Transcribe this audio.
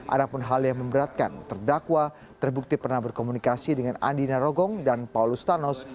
ada pun hal yang memberatkan terdakwa terbukti pernah berkomunikasi dengan andina rogong dan paulus thanos